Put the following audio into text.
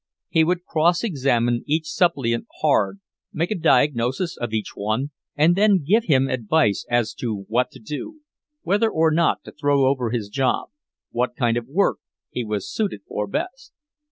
He would cross examine each suppliant hard, make a diagnosis of each one and then give him advice as to what to do whether or not to throw over his job, what kind of work he was suited for best.